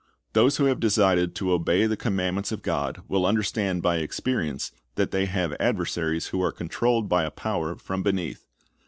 Those who have decided to obey the commandments of God will understand by experience that they have adver saries who are controlled by a power from beneath.